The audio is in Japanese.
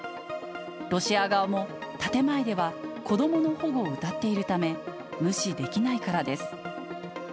ロシア側も、建前では子どもの保護をうたっているため、無視できないからです。